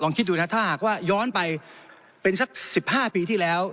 คิดดูนะถ้าหากว่าย้อนไปเป็นสัก๑๕ปีที่แล้ว